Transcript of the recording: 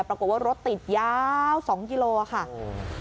ปรากฏว่ารถติดยาว๒กิโลกรัมค่ะ